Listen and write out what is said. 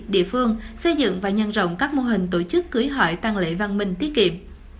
địa phương xây dựng và nhân rộng các mô hình tổ chức cưới hỏi tăng lễ văn minh tiết kiệm